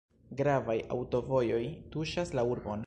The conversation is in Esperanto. Gravaj aŭtovojoj tuŝas la urbon.